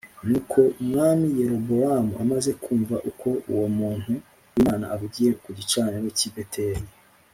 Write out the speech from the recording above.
Nuko Umwami Yerobowamu amaze kumva uko uwo muntu w’Imana avugiye ku gicaniro cy’i Beteli